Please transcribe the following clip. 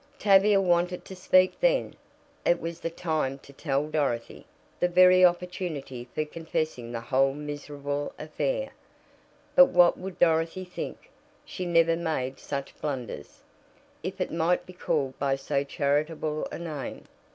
Tavia wanted to speak then it was the time to tell Dorothy, the very opportunity for confessing the whole miserable affair. But what would Dorothy think? She never made such blunders, if it might be called by so charitable a name.